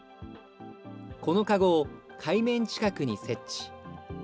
このかごを海面近くに設置。